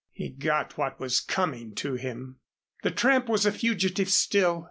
He got what was coming to him. The tramp was a fugitive still.